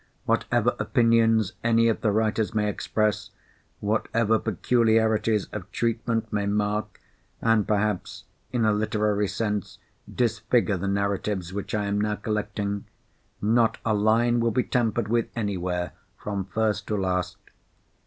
Whatever opinions any of the writers may express, whatever peculiarities of treatment may mark, and perhaps in a literary sense, disfigure the narratives which I am now collecting, not a line will be tampered with anywhere, from first to last.